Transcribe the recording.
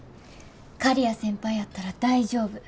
刈谷先輩やったら大丈夫。